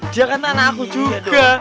dia kan anak aku juga